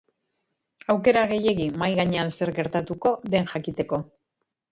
Aukera gehiegi mahai gainean zer gertatuko den jakiteko.